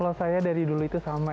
kalau saya dari dulu itu sama